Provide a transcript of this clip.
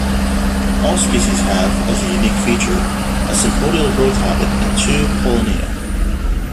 All species have, as a unique feature, a sympodial growth habit and two pollinia.